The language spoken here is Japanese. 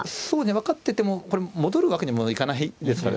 分かっててもこれ戻るわけにもいかないですからね。